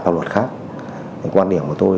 theo luật khác quan điểm của tôi